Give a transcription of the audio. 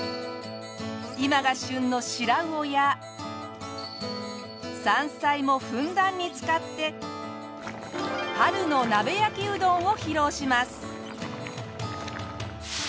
今が旬の白魚や山菜もふんだんに使って春の鍋焼きうどんを披露します。